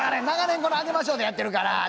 長年この「あげましょう」でやってるから。